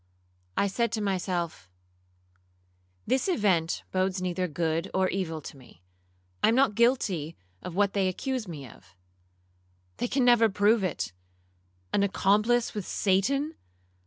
I said to myself, 'This event bodes neither good or evil to me. I am not guilty of what they accuse me of. They never can prove it,—an accomplice with Satan!